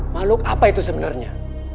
makhluk apa itu sebenarnya